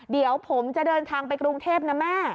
เดี๋ยวผมจะเดินทางไปกรุงเทพนะแม่